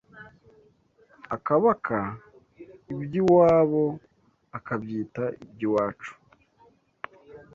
Akabaka iby’iwabo Akabyita iby’iwacu